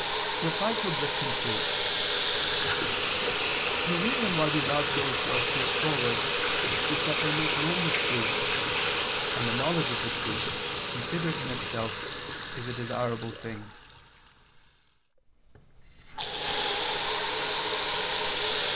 Reply Obj. 3: The reason why we love those who are straightforward is that they make known the truth, and the knowledge of the truth, considered in itself, is a desirable thing.